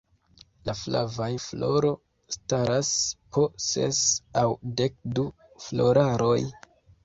La flavaj floro staras po ses aŭ dekdu floraroj.